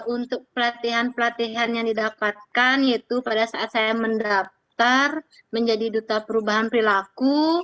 untuk pelatihan pelatihan yang didapatkan yaitu pada saat saya mendaftar menjadi duta perubahan perilaku